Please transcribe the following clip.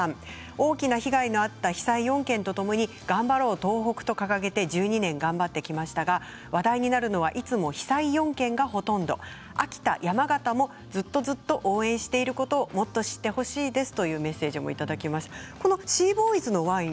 大きな被害のあった被災４県とともに頑張ろう東北と掲げて１２年頑張ってきましたが話題になるのはいつも被災４県がほとんど、秋田、山形もずっとずっと応援していることをもっと知ってほしいですというメッセージをいただきました。